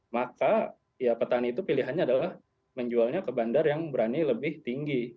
maka ya petani itu pilihannya adalah menjualnya ke bandar yang berani lebih tinggi